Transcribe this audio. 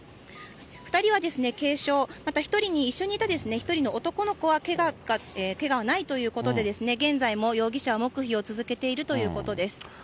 ２人は軽傷、また一緒にいた１人の男の子はけがはないということで、現在も容疑者は黙秘を続けているということです。